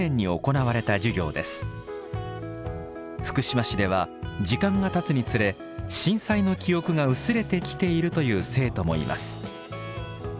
福島市では時間がたつにつれ震災の記憶が薄れてきているという生徒もいます。